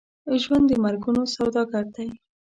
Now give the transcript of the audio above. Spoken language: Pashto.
ژوند د مرګونو سوداګر دی.